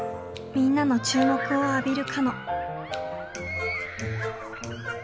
みんなの注目を浴びるかの。